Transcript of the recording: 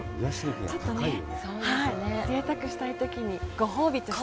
ちょっとぜいたくしたいときにご褒美として。